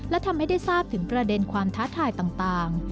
และทำให้ได้ทราบถึงประเด็นความท้าทายต่าง